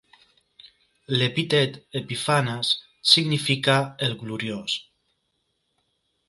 L'epítet "Epiphanes" significa "el Gloriós".